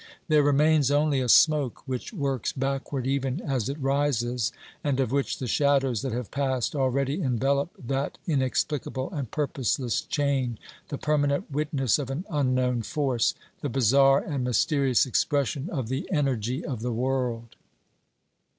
There remains only a smoke which works backward even as it rises, and of which the shadows that have passed already envelope that inexplicable and purposeless chain, the permanent witness of an unknown force, the bizarre and mysterious expression of the energy of the world.